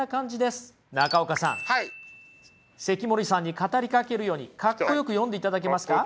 中岡さん関森さんに語りかけるようにかっこよく読んでいただけますか？